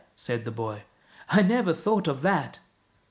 " said the boy. " I never thought of that."